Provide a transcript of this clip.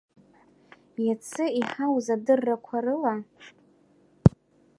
Иацы иҳауз адыррақәа рыла…